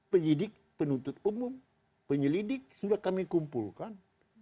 penyidik penuntut umum penyelidik sudah kami kumpulkan